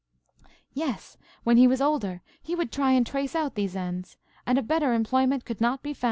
Yes! when he was older he would try and trace out these ends–a better employment could not be found.